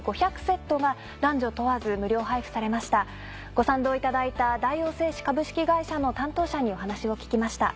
ご賛同いただいた大王製紙株式会社の担当者にお話を聞きました。